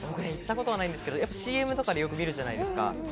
行ったことないんですけれど、ＣＭとかでよく見るじゃないですか。